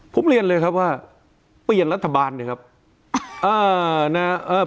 ผมเรียนเลยครับว่าเปลี่ยนรัฐบาลนะครับอ่านะฮะเอ่อ